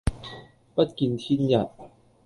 不見天日